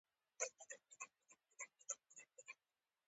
اروپا له سیاسي پلوه له هېوادونو څخه جوړه شوې.